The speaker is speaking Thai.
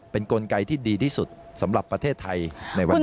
เป็นกลไกที่ดีที่สุดสำหรับประเทศไทยในวันนี้